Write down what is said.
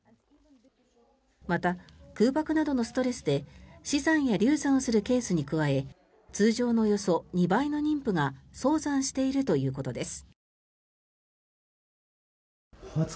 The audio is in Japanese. また、空爆などのストレスで死産や流産するケースに加え通常のおよそ２倍の妊婦が早産しているということです。